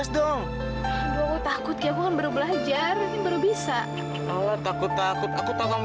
sampai jumpa di video selanjutnya